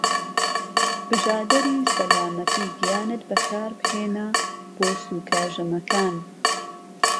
بژادەری سەلامەتی گیانت بەکاربهێنە بۆ سوکە ژەمەکان.